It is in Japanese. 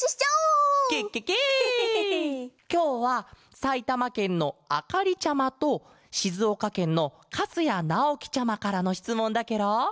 きょうはさいたまけんのあかりちゃまとしずおかけんのかすやなおきちゃまからのしつもんだケロ！